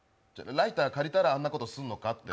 ライター借りたらあんなことするのかって。